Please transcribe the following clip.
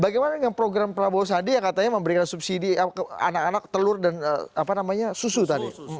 bagaimana dengan program prabowo sandi yang katanya memberikan subsidi anak anak telur dan susu tadi